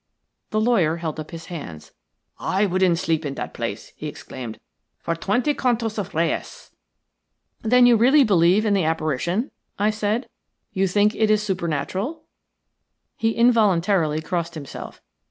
The lawyer held up his hands. "I wouldn't sleep in that place," he exclaimed, "for twenty contos of reis." "Then you really believe in the apparition?" I said. "You think it is supernatural?" He involuntarily crossed himself.